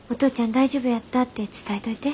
大丈夫やったて伝えといて。